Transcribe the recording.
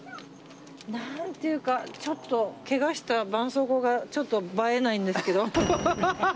何ていうかちょっとけがしたばんそうこうがちょっと映えないんですけど。